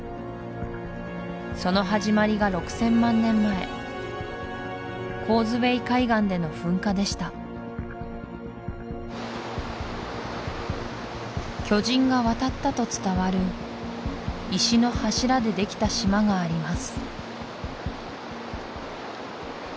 その始まりが６０００万年前コーズウェイ海岸での噴火でした巨人が渡ったと伝わる石の柱でできた島があります